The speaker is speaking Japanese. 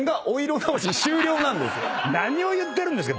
何を言ってるんですか